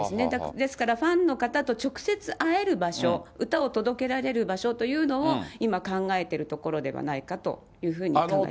ですから、ファンの方と直接会える場所、歌を届けられる場所というのを、今、考えてるところではないかというふうに考えます。